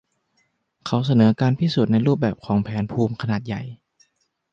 เขาเสนอการพิสูจน์ในรูปของแผนภูมิขนาดใหญ่